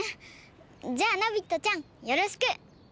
じゃあナビットちゃんよろしく！